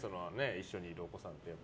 一緒にいるお子さんって。